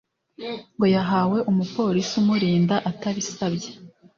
ngo yahawe umupolisi umurinda atabisabye